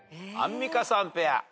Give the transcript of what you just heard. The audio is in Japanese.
アンミカさんペア。